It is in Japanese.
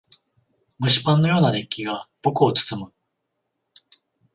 蒸しパンのような熱気が僕を包む。